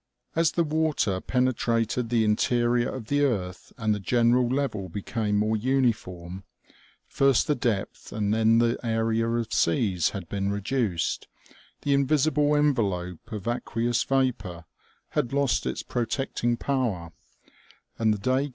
As the water penetrated the interior of the earth and the general level became more uniform, first the depth and then the area of seas had been reduced, the invisible envelope of aqueous vapor had lost its protecting power, and the day OMEGA.